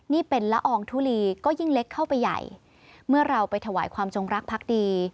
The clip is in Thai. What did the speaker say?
นี่เป็นละอองทุลีก็ยิ่งเล็กเข้าไปใหญ่เมื่อเราไปถวายความจงรักพักดี